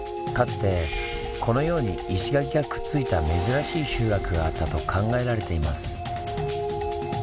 かつてこのように石垣がくっついた珍しい集落があったと考えられています。